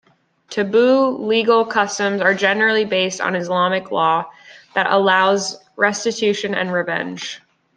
Toubou legal customs are generally based on Islamic law, that allows restitution and revenge.